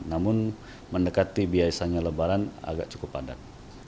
namun mendekati biasanya lebaran agak cukup padat